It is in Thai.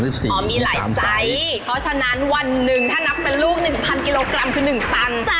เพราะฉะนั้นวันหนึ่งถ้านับเป็นลูก๑๐๐๐กิโลกรัมคือ๑ตัน